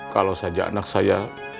kalau saja anak saya